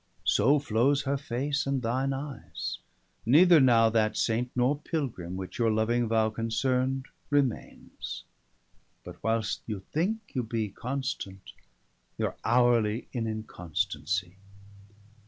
So flowes her face, and thine eyes, neither now That Saint, nor Pilgrime, which your loving vow Concern'd, remaines; but whil'st you thinke you bee Constant, you'are hourely in inconstancie.